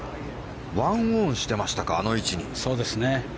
１オンしてましたかあの位置に。